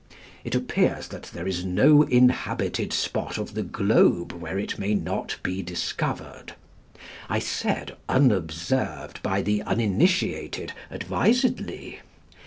It appears that there is no inhabited spot of the globe where it may not be discovered. I said, unobserved by the uninitiated, advisedly.